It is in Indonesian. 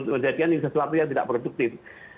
menjadikan sesuatu yang tidak produktif